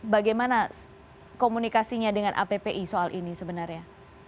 bagaimana komunikasinya dengan appi soal ini sebenarnya